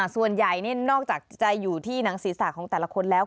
ส่วนใหญ่นี่นอกจากจะอยู่ที่หนังศีรษะของแต่ละคนแล้ว